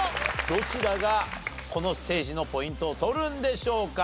どちらがこのステージのポイントを取るんでしょうか？